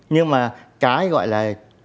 nhưng mà cái gọi là